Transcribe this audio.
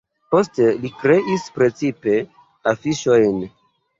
Poste li kreis precipe afiŝojn.